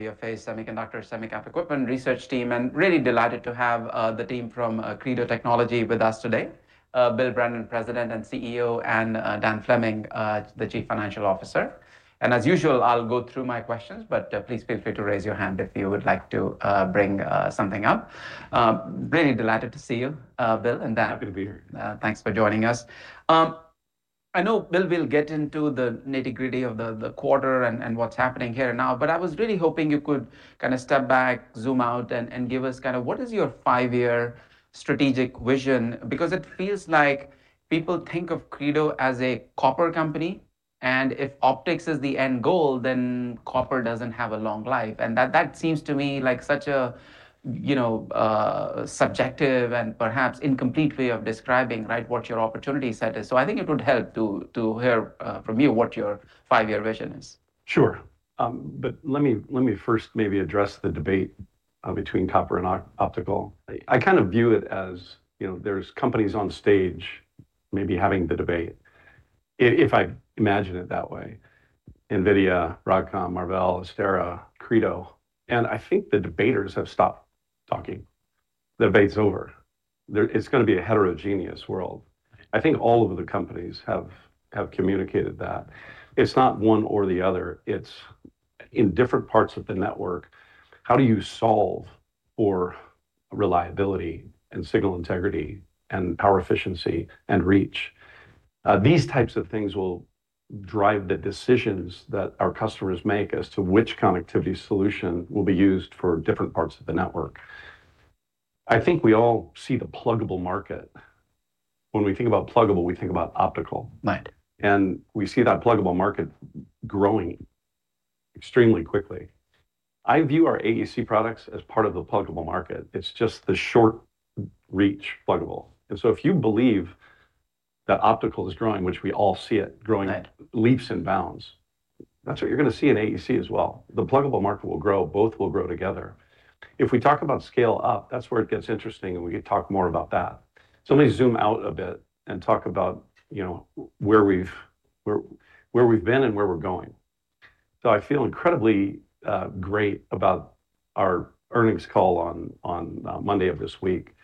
Of a semiconductor, semi-cap equipment research team, and really delighted to have the team from Credo Technology Group with us today. Bill Brennan, President and CEO, and Dan Fleming, the Chief Financial Officer. As usual, I'll go through my questions, but please feel free to raise your hand if you would like to bring something up. Really delighted to see you, Bill and Dan. Happy to be here. Thanks for joining us. I know, Bill, we'll get into the nitty-gritty of the quarter and what's happening here now, but I was really hoping you could step back, zoom out, and give us what is your five-year strategic vision. Because it feels like people think of Credo as a copper company, and if optics is the end goal, then copper doesn't have a long life. That seems to me like such a subjective and perhaps incomplete way of describing, right, what your opportunity set is. I think it would help to hear from you what your five-year vision is. Sure. Let me first maybe address the debate between copper and optical. I view it as there's companies on stage maybe having the debate, if I imagine it that way, NVIDIA, Broadcom, Marvell, Astera, Credo, and I think the debaters have stopped talking. The debate's over. It's going to be a heterogeneous world. I think all of the companies have communicated that. It's not one or the other. It's in different parts of the network. How do you solve for reliability and signal integrity and power efficiency and reach? These types of things will drive the decisions that our customers make as to which connectivity solution will be used for different parts of the network. I think we all see the pluggable market. When we think about pluggable, we think about optical. Right. We see that pluggable market growing extremely quickly. I view our AEC products as part of the pluggable market. It's just the short reach pluggable. If you believe that optical is growing, which we all see it growing. Right leaps and bounds, that is what you are going to see in AEC as well. The pluggable market will grow, both will grow together. If we talk about scale up, that is where it gets interesting, and we could talk more about that. Let me zoom out a bit and talk about where we have been and where we are going. I feel incredibly great about our earnings call on Monday of this week.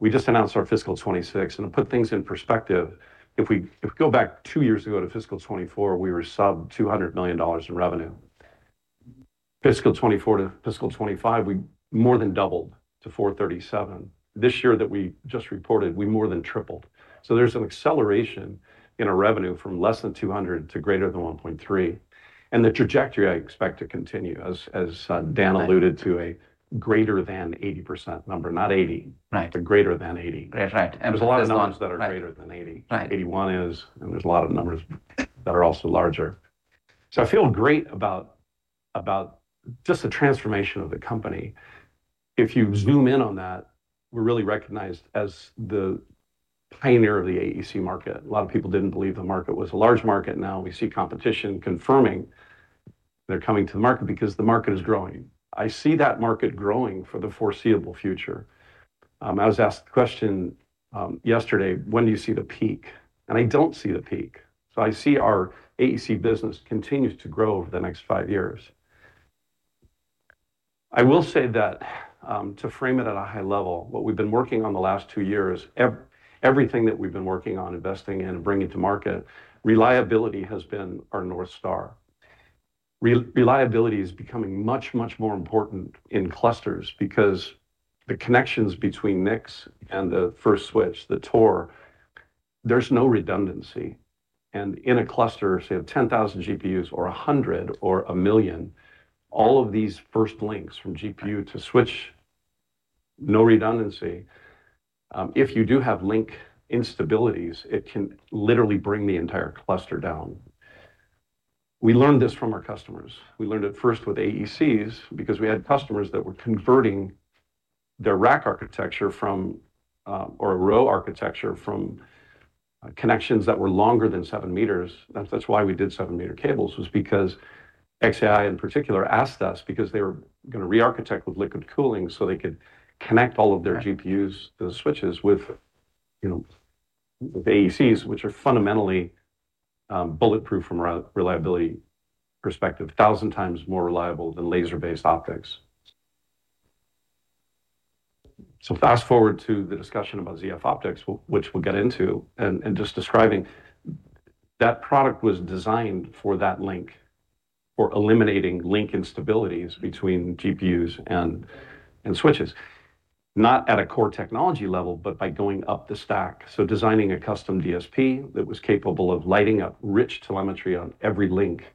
We just announced our fiscal 2026, and to put things in perspective, if we go back two years ago to fiscal 2024, we were sub $200 million in revenue. Fiscal 2024 to fiscal 2025, we more than doubled to $437 million. This year that we just reported, we more than tripled. There is an acceleration in our revenue from less than $200 million to greater than $1.3 billion. The trajectory I expect to continue, as Dan alluded to, a greater than 80% number, not 80%. Right. Greater than 80%. Right. There's a lot of numbers that are greater than 80%. Right. 81% is, and there's a lot of numbers that are also larger. I feel great about just the transformation of the company. If you zoom in on that, we're really recognized as the pioneer of the AEC market. A lot of people didn't believe the market was a large market. Now we see competition confirming they're coming to the market because the market is growing. I see that market growing for the foreseeable future. I was asked the question yesterday, when do you see the peak? I don't see the peak. I see our AEC business continue to grow over the next five years. I will say that, to frame it at a high level, what we've been working on the last two years, everything that we've been working on, investing in, and bringing to market, reliability has been our North Star. Reliability is becoming much, much more important in clusters because the connections between NICs and the first switch, the TOR, there's no redundancy. In a cluster, say, of 10,000 GPUs or 100 or a million, all of these first links from GPU to switch, no redundancy. If you do have link instabilities, it can literally bring the entire cluster down. We learned this from our customers. We learned it first with AECs because we had customers that were converting their rack architecture or a row architecture from connections that were longer than 7 m. That's why we did 7 m cables, was because xAI in particular asked us because they were going to re-architect with liquid cooling so they could connect all of their GPUs, those switches with AECs, which are fundamentally bulletproof from a reliability perspective, 1,000x more reliable than laser-based optics. Fast-forward to the discussion about ZeroFlap Optics, which we'll get into, and just describing that product was designed for that link, for eliminating link instabilities between GPUs and switches. Not at a core technology level, but by going up the stack. Designing a custom DSP that was capable of lighting up rich telemetry on every link.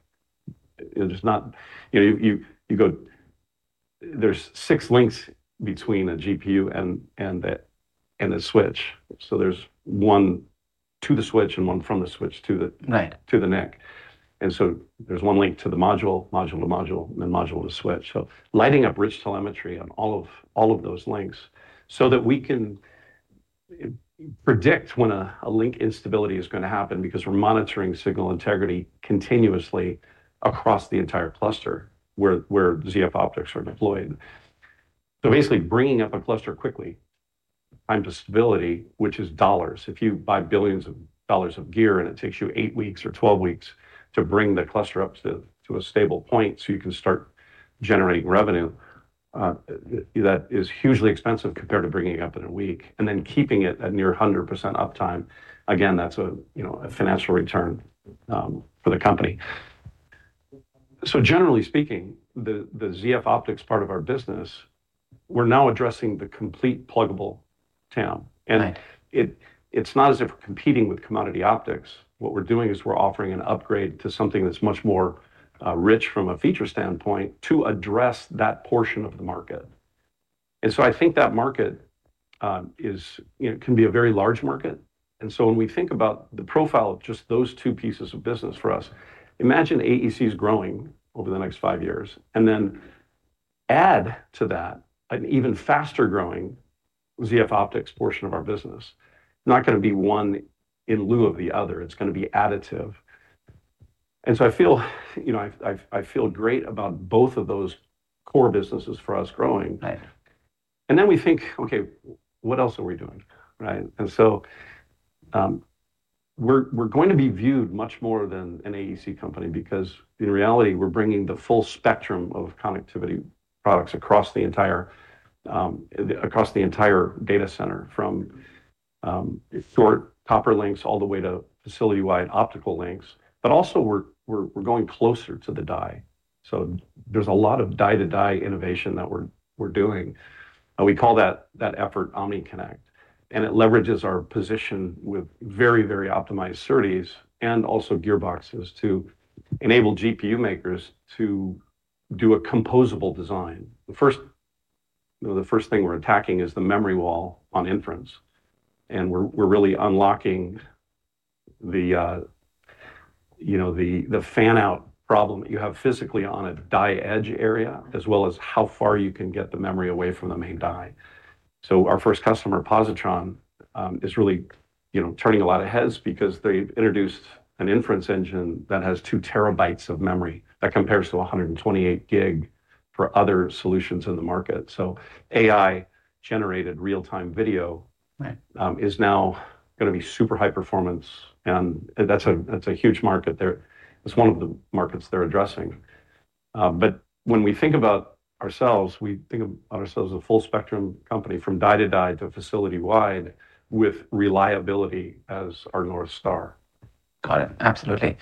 There's six links between a GPU and a switch. There's one to the switch and one from the switch to the... Right ...to the NIC. There's one link to the module to module, and then module to switch. Lighting up rich telemetry on all of those links so that we can predict when a link instability is going to happen because we're monitoring signal integrity continuously across the entire cluster where ZeroFlap Optics are deployed. Basically bringing up a cluster quickly. Time to stability, which is dollars. If you buy billions dollars of gear and it takes you eight weeks or 12 weeks to bring the cluster up to a stable point so you can start generating revenue, that is hugely expensive compared to bringing it up in a week and then keeping it at near 100% uptime. Again, that's a financial return for the company. Generally speaking, the ZeroFlap Optics part of our business, we're now addressing the complete pluggable TAM. Right. It's not as if we're competing with commodity optics. What we're doing is we're offering an upgrade to something that's much more rich from a feature standpoint to address that portion of the market. I think that market can be a very large market. When we think about the profile of just those two pieces of business for us, imagine AECs growing over the next five years and then add to that an even faster growing ZeroFlap Optics portion of our business. Not going to be one in lieu of the other, it's going to be additive. I feel great about both of those core businesses for us growing. Right. We think, what else are we doing? We're going to be viewed much more than an AEC company because in reality, we're bringing the full spectrum of connectivity products across the entire data center from short copper links all the way to facility-wide optical links. We're going closer to the die. There's a lot of die-to-die innovation that we're doing, and we call that effort OmniConnect, and it leverages our position with very optimized SerDes and also gearboxes to enable GPU makers to do a composable design. The first thing we're attacking is the memory wall on inference, and we're really unlocking the fan-out problem that you have physically on a die edge area, as well as how far you can get the memory away from the main die. Our first customer, Positron, is really turning a lot of heads because they've introduced an inference engine that has 2 TB of memory. That compares to 128 GB for other solutions in the market. AI-generated real-time video. Right is now going to be super high performance, that's a huge market there. It's one of the markets they're addressing. When we think about ourselves, we think of ourselves as a full-spectrum company from die-to-die to facility-wide with reliability as our North Star. Got it. Absolutely.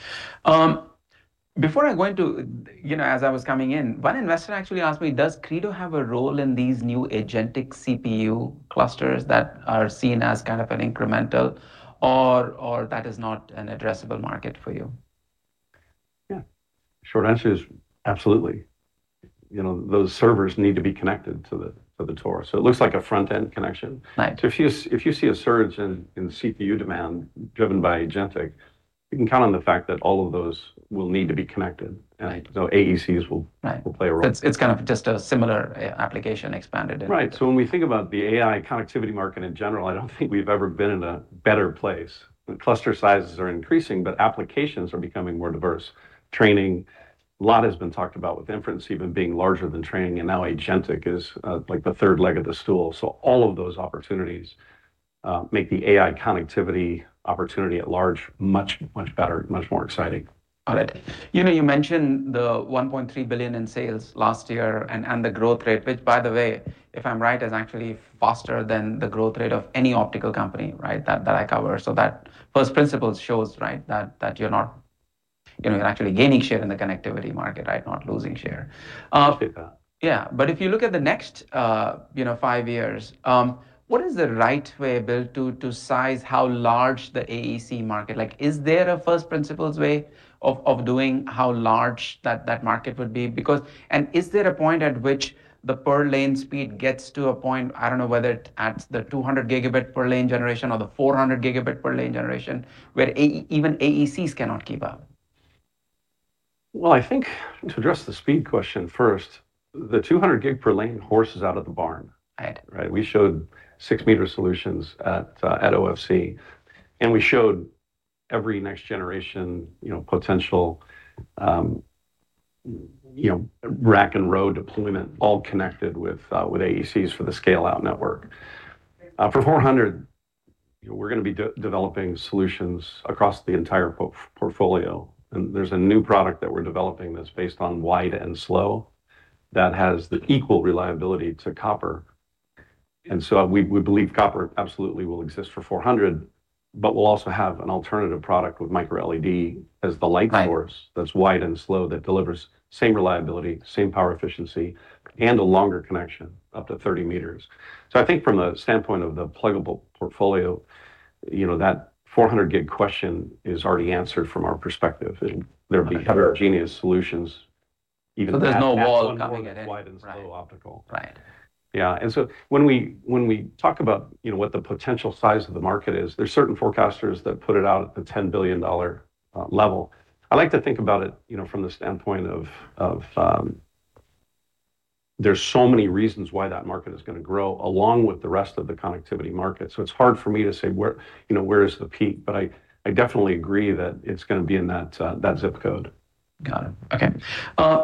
As I was coming in, one investor actually asked me, does Credo have a role in these new agentic CPU clusters that are seen as an incremental, or that is not an addressable market for you? Yeah. Short answer is absolutely. Those servers need to be connected to the TORs It looks like a front-end connection. Right. If you see a surge in CPU demand driven by agentic, you can count on the fact that all of those will need to be connected. Right. AECs will play a role. It's kind of just a similar application expanded. Right. When we think about the AI connectivity market in general, I don't think we've ever been in a better place. The cluster sizes are increasing, applications are becoming more diverse. Training, a lot has been talked about with inference even being larger than training, now agentic is the third leg of the stool. All of those opportunities make the AI connectivity opportunity at large much better, much more exciting. Got it. You mentioned the $1.3 billion in sales last year and the growth rate, which by the way, if I'm right, is actually faster than the growth rate of any optical company, right, that I cover. That first principle shows, right, that you're actually gaining share in the connectivity market, right? Not losing share. Hope so. Yeah. If you look at the next five years, what is the right way, Bill, to size how large the AEC market, is there a first principles way of doing how large that market would be? Is there a point at which the per-lane speed gets to a point, I don't know whether it adds the 200 Gb per lane generation or the 400 Gb per lane generation, where even AECs cannot keep up? Well, I think to address the speed question first, the 200 Gb per lane horse is out of the barn. Right. Right. We showed six-meter solutions at OFC, and we showed every next generation potential rack and row deployment all connected with AECs for the scale-out network. For 400, we're going to be developing solutions across the entire portfolio. There's a new product that we're developing that's based on wide and slow that has the equal reliability to copper. We believe copper absolutely will exist for 400, but we'll also have an alternative product with MicroLED as the light source. Right that's wide and slow, that delivers same reliability, same power efficiency, and a longer connection up to 30 m. I think from the standpoint of the pluggable portfolio, that 400 Gb question is already answered from our perspective. There'll be heterogeneous solutions. There's no wall coming at it. wide and slow optical. Right. Yeah. When we talk about what the potential size of the market is, there's certain forecasters that put it out at the $10 billion level. I like to think about it from the standpoint of, there's so many reasons why that market is going to grow along with the rest of the connectivity market. It's hard for me to say where is the peak, but I definitely agree that it's going to be in that zip code. Got it.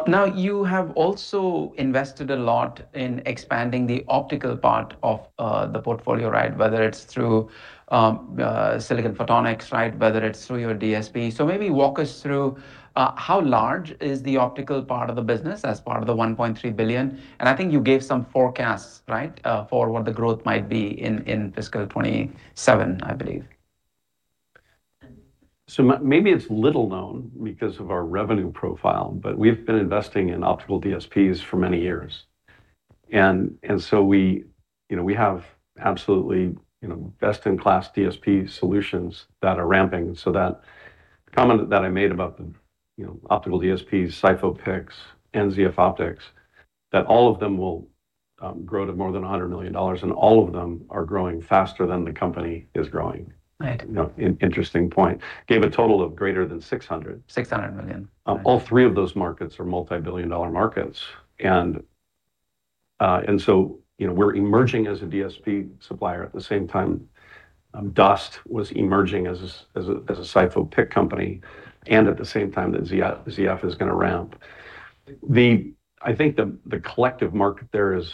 Okay. You have also invested a lot in expanding the optical part of the portfolio, right? Whether it's through Silicon Photonics, right, whether it's through your DSP. Maybe walk us through how large is the optical part of the business as part of the $1.3 billion. I think you gave some forecasts, right, for what the growth might be in fiscal 2027, I believe. Maybe it's little known because of our revenue profile, but we've been investing in optical DSPs for many years. We have absolutely best-in-class DSP solutions that are ramping. That comment that I made about the Optical DSPs, SiPho PICs, and ZeroFlap Optics, that all of them will grow to more than $100 million, and all of them are growing faster than the company is growing. Right. Interesting point. Gave a total of greater than 600. $600 million. All three of those markets are multibillion-dollar markets. We're emerging as a DSP supplier at the same time Dust was emerging as a SiPho PIC company, and at the same time that ZF is going to ramp. I think the collective market there is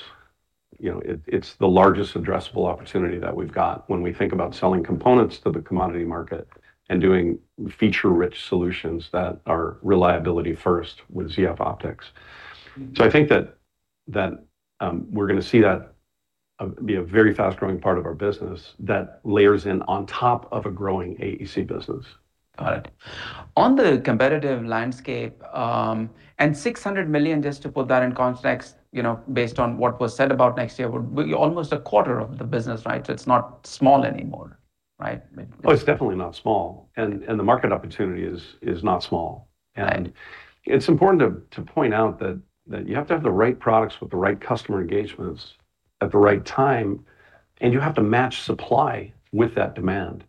the largest addressable opportunity that we've got when we think about selling components to the commodity market and doing feature-rich solutions that are reliability first with ZeroFlap Optics. I think that we're going to see that be a very fast-growing part of our business that layers in on top of a growing AEC business. Got it. On the competitive landscape, and $600 million, just to put that in context, based on what was said about next year, will be almost a quarter of the business, right? It's not small anymore, right? Oh, it's definitely not small. The market opportunity is not small. Right. It's important to point out that you have to have the right products with the right customer engagements at the right time, and you have to match supply with that demand.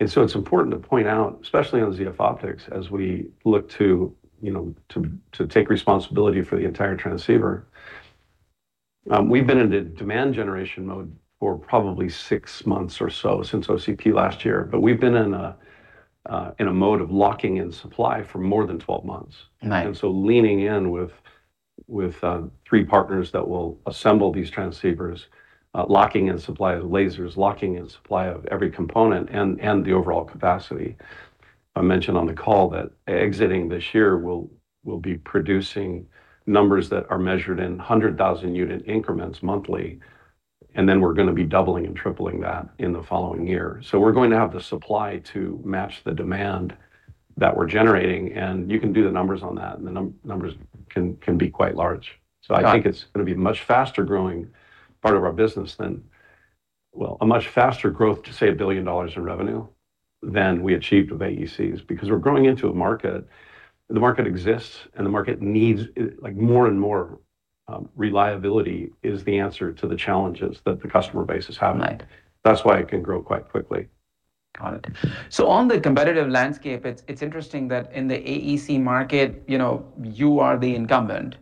It's important to point out, especially on ZeroFlap Optics, as we look to take responsibility for the entire transceiver, we've been in the demand generation mode for probably six months or so, since OCP last year, but we've been in a mode of locking in supply for more than 12 months. Right. Leaning in with three partners that will assemble these transceivers, locking in supply of lasers, locking in supply of every component, and the overall capacity. I mentioned on the call that exiting this year, we'll be producing numbers that are measured in 100,000-unit increments monthly, and then we're going to be doubling and tripling that in the following year. We're going to have the supply to match the demand that we're generating, and you can do the numbers on that, and the numbers can be quite large. Got it. I think it's going to be a much faster growing part of our business Well, a much faster growth to, say, $1 billion in revenue than we achieved with AECs. We're growing into a market. The market exists, and the market needs more and more reliability is the answer to the challenges that the customer base is having. Right. That's why it can grow quite quickly. Got it. On the competitive landscape, it's interesting that in the AEC market, you are the incumbent,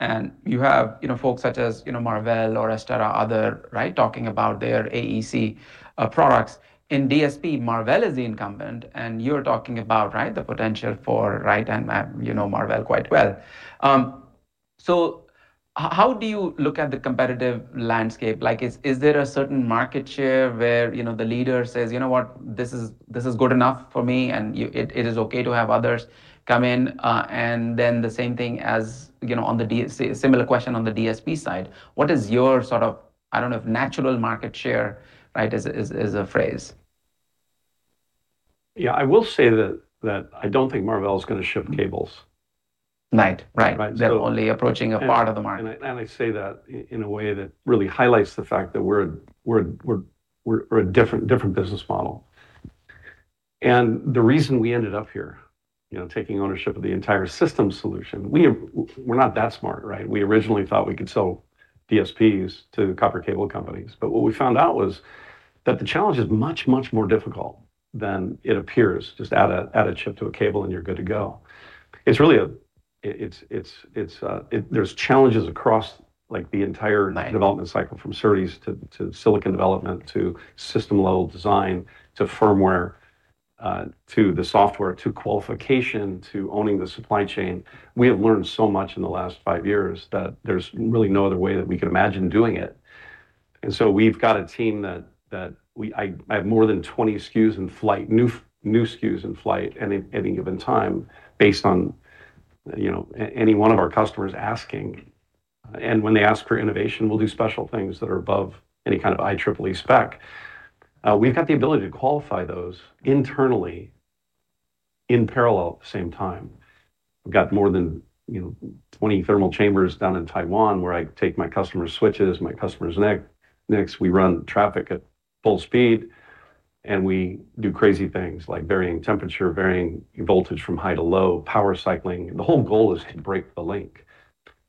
and you have folks such as Marvell or Astera, right, talking about their AEC products. In DSP, Marvell is the incumbent, and you're talking about, right, the potential for, right, and you know Marvell quite well. How do you look at the competitive landscape? Is there a certain market share where the leader says, You know what? This is good enough for me, and it is okay to have others come in? The same thing as similar question on the DSP side. What is your sort of, I don't know, if natural market share, right, is a phrase? Yeah. I will say that I don't think Marvell is going to ship cables. Right. They're only approaching a part of the market. I say that in a way that really highlights the fact that we're a different business model. The reason we ended up here, taking ownership of the entire system solution, we're not that smart, right? We originally thought we could sell DSPs to copper cable companies, but what we found out was that the challenge is much, much more difficult than it appears. Just add a chip to a cable, and you're good to go. There's challenges across the entire... Right ...development cycle, from SerDes to silicon development, to system-level design, to firmware, to the software, to qualification, to owning the supply chain. We have learned so much in the last five years that there's really no other way that we can imagine doing it. We've got a team that I have more than 20 SKUs in flight, new SKUs in flight at any given time based on any one of our customers asking. When they ask for innovation, we'll do special things that are above any kind of IEEE spec. We've got the ability to qualify those internally in parallel at the same time. We've got more than 20 thermal chambers down in Taiwan where I take my customers' switches, my customers' NICs. We run traffic at full speed, and we do crazy things like varying temperature, varying voltage from high to low, power cycling. The whole goal is to break the link.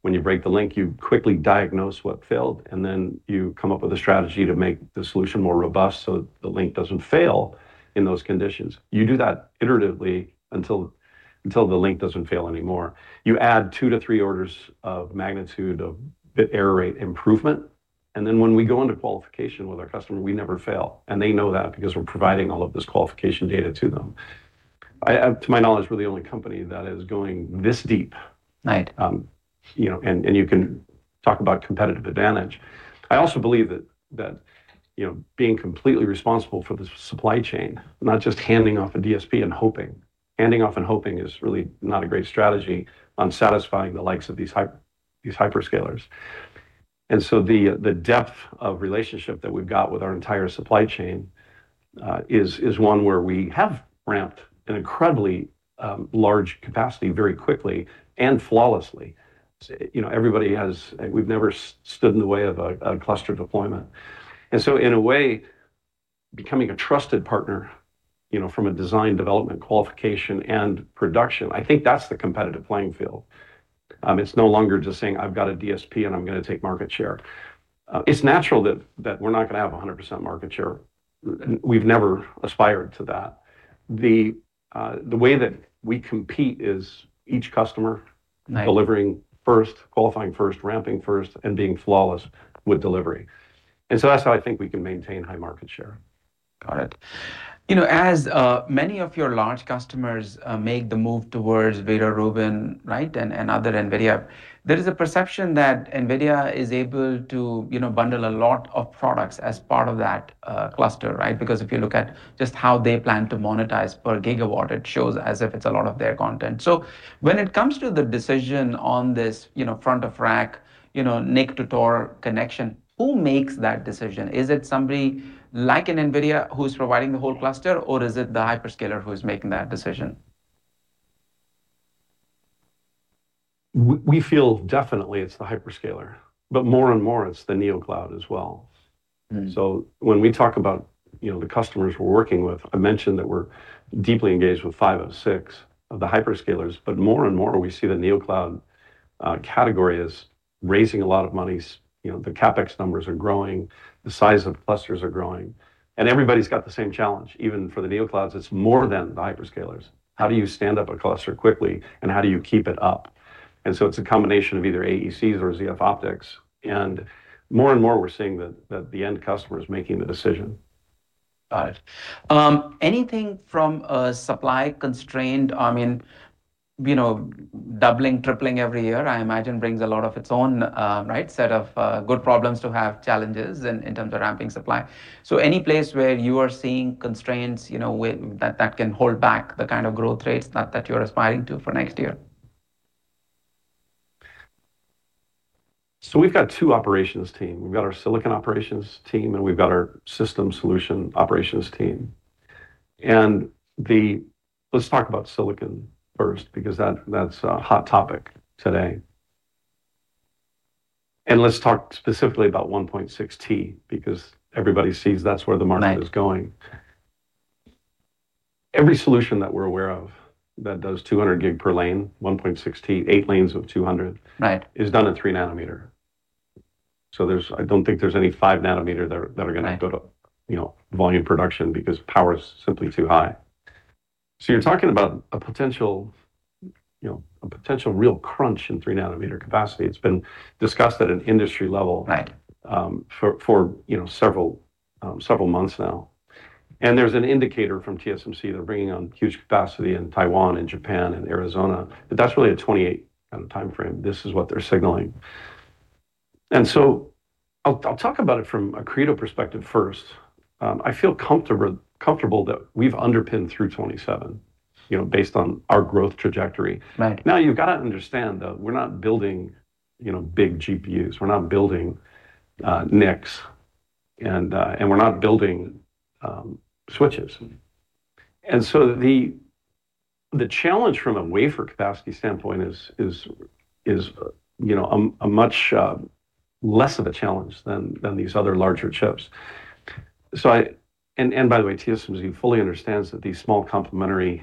When you break the link, you quickly diagnose what failed, and then you come up with a strategy to make the solution more robust so the link doesn't fail in those conditions. You do that iteratively until the link doesn't fail anymore. You add two to three orders of magnitude of bit error rate improvement. When we go into qualification with our customer, we never fail. They know that because we're providing all of this qualification data to them. To my knowledge, we're the only company that is going this deep. Right. You can talk about competitive advantage. I also believe that being completely responsible for the supply chain, not just handing off a DSP and hoping. Handing off and hoping is really not a great strategy on satisfying the likes of these hyperscalers. The depth of relationship that we've got with our entire supply chain, is one where we have ramped an incredibly large capacity very quickly and flawlessly. We've never stood in the way of a cluster deployment. In a way, becoming a trusted partner from a design development, qualification, and production, I think that's the competitive playing field. It's no longer just saying, I've got a DSP and I'm going to take market share. It's natural that we're not going to have 100% market share. We've never aspired to that. The way that we compete is each customer... Right ...delivering first, qualifying first, ramping first, and being flawless with delivery, that's how I think we can maintain high market share. Got it. As many of your large customers make the move towards Meta, Rubin, and other NVIDIA, there is a perception that NVIDIA is able to bundle a lot of products as part of that cluster. If you look at just how they plan to monetize per gigawatt, it shows as if it's a lot of their content. When it comes to the decision on this front of rack, NIC to TOR connection, who makes that decision? Is it somebody like an NVIDIA who's providing the whole cluster, or is it the hyperscaler who is making that decision? We feel definitely it's the hyperscaler, but more and more it's the Neocloud as well. When we talk about the customers we're working with, I mentioned that we're deeply engaged with five of six of the hyperscalers. More and more, we see the Neocloud category is raising a lot of monies. The CapEx numbers are growing, the size of clusters are growing, and everybody's got the same challenge. Even for the Neoclouds, it's more than the hyperscalers. How do you stand up a cluster quickly, and how do you keep it up? It's a combination of either AECs or ZeroFlap Optics. More and more we're seeing that the end customer is making the decision. Got it. Anything from a supply constraint, I mean, doubling, tripling every year, I imagine brings a lot of its own set of good problems to have challenges in terms of ramping supply. Any place where you are seeing constraints that can hold back the kind of growth rates that you're aspiring to for next year? We've got two operations team. We've got our silicon operations team, and we've got our system solution operations team. Let's talk about silicon first, because that's a hot topic today. Let's talk specifically about 1.6 T, because everybody sees that's where the market is going. Right. Every solution that we're aware of that does 200 Gb per lane, 1.6 Tb, eight lanes of 200 Gb. Right ...is done in three nanometer. I don't think there's any five nanometer that are going to go to volume production, because power is simply too high. You're talking about a potential real crunch in three nanometer capacity. It's been discussed at an industry level. Right For several months now, there's an indicator from TSMC, they're bringing on huge capacity in Taiwan and Japan and Arizona, but that's really a 2028 kind of timeframe. This is what they're signaling. I'll talk about it from a Credo perspective first. I feel comfortable that we've underpinned through 2027, based on our growth trajectory. Right. You've got to understand, though, we're not building big GPUs, we're not building NICs, and we're not building switches. The challenge from a wafer capacity standpoint is a much less of a challenge than these other larger chips. By the way, TSMC fully understands that these small complementary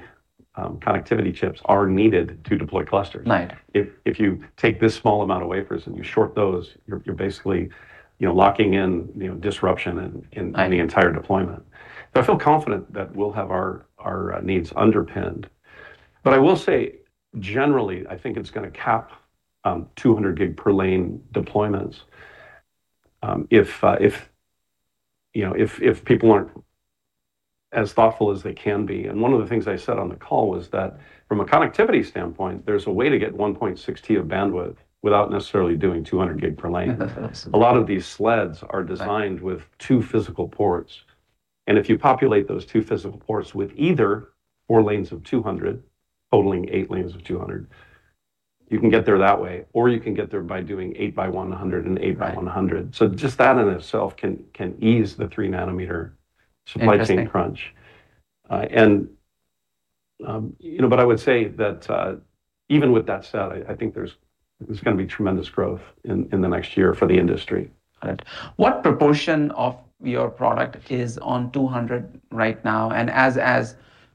connectivity chips are needed to deploy clusters. Right. If you take this small amount of wafers and you short those, you're basically locking in disruption in the entire deployment. I feel confident that we'll have our needs underpinned. I will say, generally, I think it's going to cap 200 Gb per lane deployments, if people aren't as thoughtful as they can be. One of the things I said on the call was that from a connectivity standpoint, there's a way to get 1.6 Tb of bandwidth without necessarily doing 200 Gb per lane. A lot of these sleds are designed with two physical ports, and if you populate those two physical ports with either four lanes of 200 Gb, totaling eight lanes of 200 Gb, you can get there that way, or you can get there by doing eight by 100 Gb and eight by 100 Gb. Just that in itself can ease the three nanometer supply chain crunch. Interesting. I would say that, even with that said, I think there's going to be tremendous growth in the next year for the industry. Got it. What proportion of your product is on 200 Gb right now,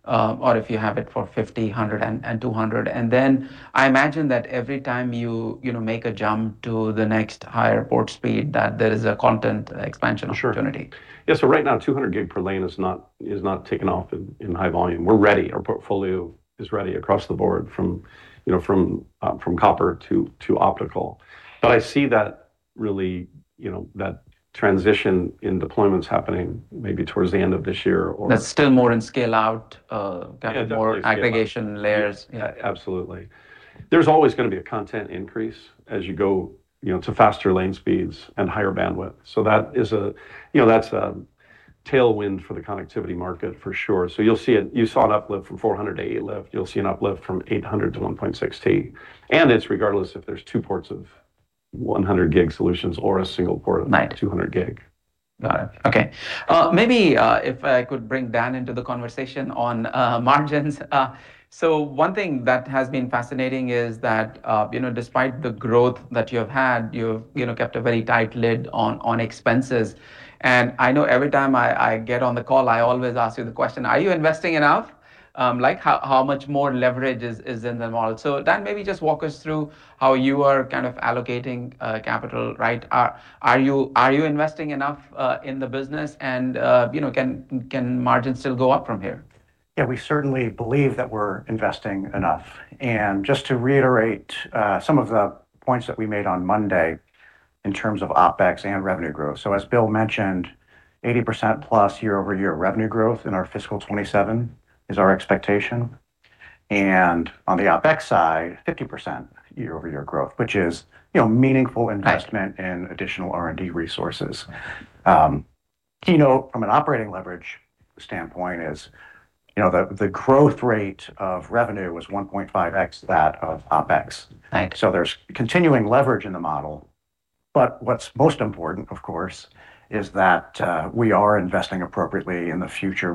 or if you have it for 50 Gb, 100 Gb, and 200 Gb. I imagine that every time you make a jump to the next higher port speed, that there is a content expansion opportunity. Sure. Yeah, right now, 200 Gb per lane is not taking off in high volume. We're ready. Our portfolio is ready across the board, from copper to optical. I see that really, that transition in deployment's happening maybe towards the end of this year. That's still more in scale out, kind of.. Yeah. Definitely. more aggregation layers. Yeah, absolutely. There's always going to be a content increase as you go to faster lane speeds and higher bandwidth. That's a tailwind for the connectivity market for sure. You'll see it. You saw an uplift from 400 Gb to 800 Gb. You'll see an uplift from 800 Gb to 1.6 Tb, and it's regardless if there's two ports of 100 Gb solutions. Right 200 Gb. Got it. Okay. Maybe, if I could bring Dan into the conversation on margins. One thing that has been fascinating is that, despite the growth that you have had, you've kept a very tight lid on expenses. I know every time I get on the call, I always ask you the question, are you investing enough? Like how much more leverage is in the model? Dan, maybe just walk us through how you are kind of allocating capital, right? Are you investing enough in the business and can margins still go up from here? Yeah, we certainly believe that we're investing enough. Just to reiterate, some of the points that we made on Monday in terms of OpEx and revenue growth. As Bill mentioned, 80%+ year-over-year revenue growth in our fiscal 2027 is our expectation. On the OpEx side, 50% year-over-year growth, which is meaningful investment... Right ...in additional R&D resources. Key note from an operating leverage standpoint is the growth rate of revenue was 1.5x that of OpEx. Right. There's continuing leverage in the model, but what's most important, of course, is that we are investing appropriately in the future.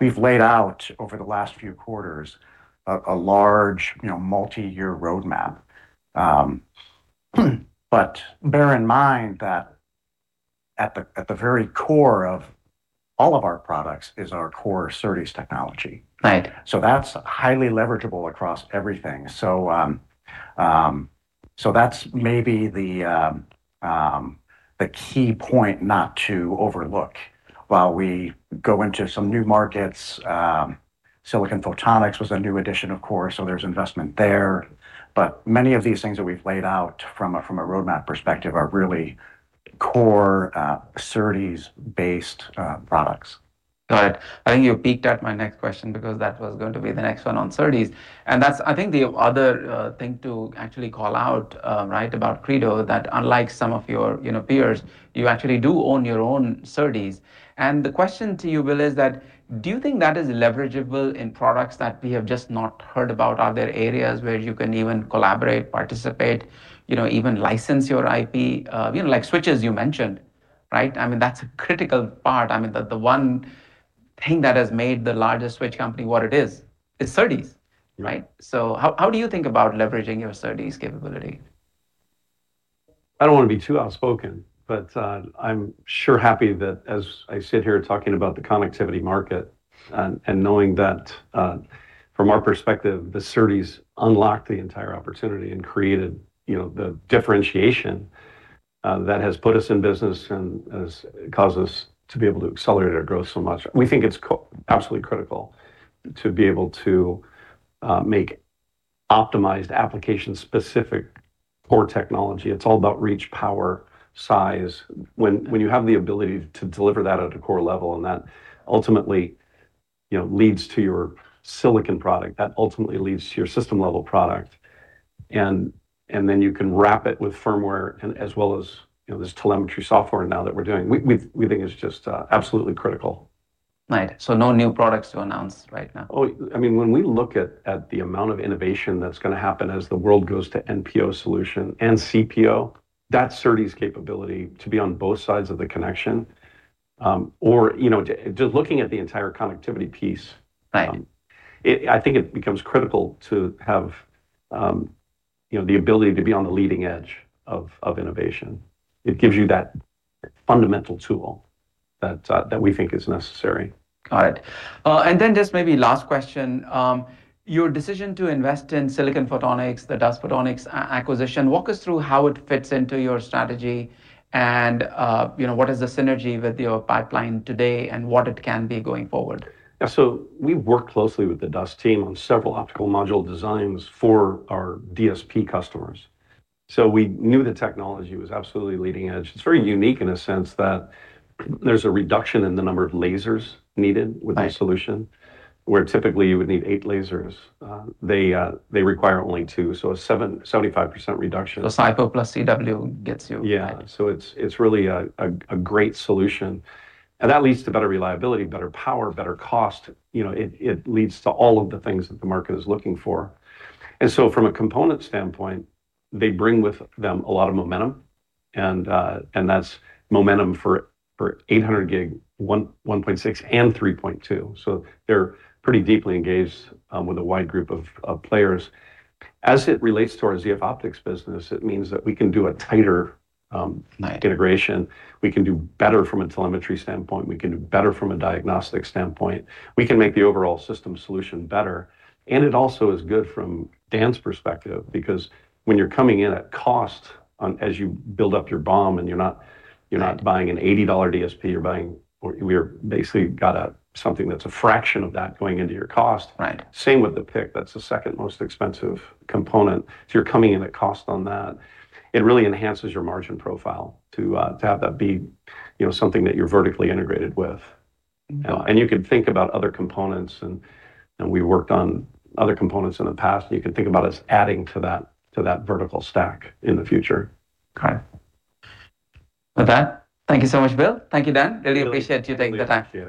We've laid out over the last few quarters a large multi-year roadmap. Bear in mind that at the very core of all of our products is our core SerDes technology. Right. That's highly leverageable across everything. That's maybe the key point not to overlook while we go into some new markets. Silicon Photonics was a new addition, of course, so there's investment there. Many of these things that we've laid out from a roadmap perspective are really core SerDes-based products. Got it. I think you piqued at my next question because that was going to be the next one on SerDes. That's, I think, the other thing to actually call out about Credo is that unlike some of your peers, you actually do own your own SerDes. The question to you, Bill, is that do you think that is leverageable in products that we have just not heard about? Are there areas where you can even collaborate, participate, even license your IP, like switches you mentioned, right? That's a critical part. The one thing that has made the largest switch company what it is SerDes, right? Yeah. How do you think about leveraging your SerDes capability? I don't want to be too outspoken, but I'm sure happy that as I sit here talking about the connectivity market and knowing that from our perspective, the SerDes unlocked the entire opportunity and created the differentiation that has put us in business and has caused us to be able to accelerate our growth so much. We think it's absolutely critical to be able to make optimized application-specific core technology. It's all about reach, power, size. When you have the ability to deliver that at a core level, and that ultimately leads to your silicon product, that ultimately leads to your system-level product, and then you can wrap it with firmware as well as this telemetry software now that we're doing. We think it's just absolutely critical. Right. No new products to announce right now? When we look at the amount of innovation that's going to happen as the world goes to NPO solution and CPO, that SerDes capability to be on both sides of the connection, or just looking at the entire connectivity piece. Right I think it becomes critical to have the ability to be on the leading edge of innovation. It gives you that fundamental tool that we think is necessary. Got it. Just maybe last question. Your decision to invest in Silicon Photonics, the DustPhotonics acquisition, walk us through how it fits into your strategy and what is the synergy with your pipeline today and what it can be going forward? Yeah, we worked closely with the DustPhotonics team on several optical module designs for our DSP customers. We knew the technology was absolutely leading edge. It's very unique in a sense that there's a reduction in the number of lasers needed with the solution. Right. Where typically you would need eight lasers, they require only two, so a 75% reduction. SiPho plus CW gets you. Yeah. It's really a great solution, and that leads to better reliability, better power, better cost. It leads to all of the things that the market is looking for. From a component standpoint, they bring with them a lot of momentum, and that's momentum for 800 Gb, 1.6 Tb and 3.2 Tb. They're pretty deeply engaged with a wide group of players. As it relates to our ZeroFlap Optics business, it means that we can do a tighter- Right integration. We can do better from a telemetry standpoint. We can do better from a diagnostic standpoint. We can make the overall system solution better. It also is good from Dan's perspective because when you're coming in at cost as you build up your BOM. Right buying an $80 DSP, We basically got something that's a fraction of that going into your cost. Right. Same with the PIC. That's the second most expensive component. If you're coming in at cost on that, it really enhances your margin profile to have that be something that you're vertically integrated with. You could think about other components, and we worked on other components in the past, and you could think about us adding to that vertical stack in the future. Got it. With that, thank you so much, Bill. Thank you, Dan. Really appreciate you taking the time.